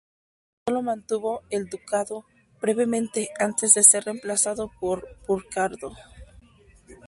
Sólo mantuvo el ducado brevemente antes de ser reemplazado por Burcardo.